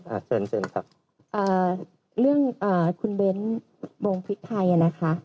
อ่าเชิญเชิญครับอ่าเรื่องอ่าคุณเบ้นวงพริกไทยอ่ะนะคะ